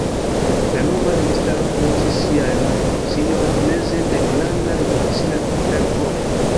La nova registaro komencis siajn funkciojn meze de granda revolucia fervoro.